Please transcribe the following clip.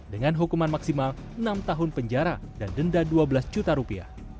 dengan hukuman maksimal enam tahun penjara dan denda dua belas juta rupiah